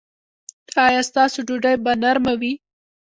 ایا ستاسو ډوډۍ به نرمه وي؟